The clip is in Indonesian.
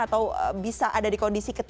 atau bisa ada di kondisi